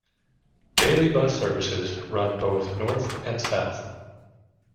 Daily bus services run both north and south.